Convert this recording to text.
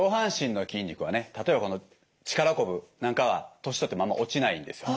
例えばこの力こぶなんかは年取ってもあんま落ちないんですよ。